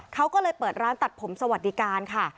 เขาก็เลยเปิดร้านตัดผมสวัสดิการค่ะ